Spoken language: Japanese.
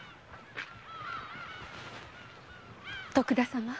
徳田様